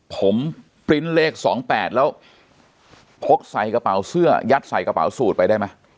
ผมปริ้นต์เลข๒๘แล้วพกใส่กระเป๋าเสื้อยัดใส่กระเป๋าสูตรไปได้ไหม